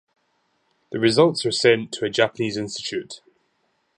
The results are sent to a Japanese institute.